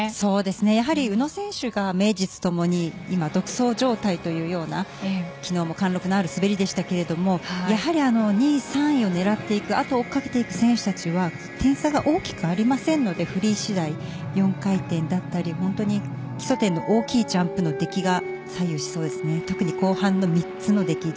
やはり宇野選手が名実ともに今、独走状態というような昨日も貫禄のある滑りでしたがやはり、２位、３位を狙っていく後を追っかけていく選手は点差が大きくありませんのでフリー次第４回転だったり本当に基礎点の大きいジャンプの出来が左右しそうですね。